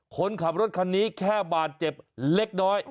คนขับรถคันนี้แค่บาดเจ็บเล็กน้อย